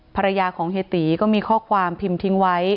ภรรยาของเฮียตีก็มีข้อความพิมพ์ทิ้งไว้